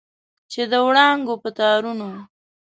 چې د وړانګو په تارونو